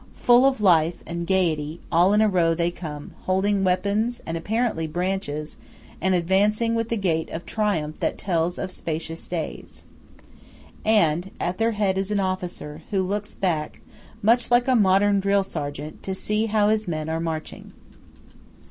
Full of life and gaiety all in a row they come, holding weapons, and, apparently, branches, and advancing with a gait of triumph that tells of "spacious days." And at their head is an officer, who looks back, much like a modern drill sergeant, to see how his men are marching.